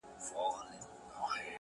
علم د ژوند معنا ژوروي,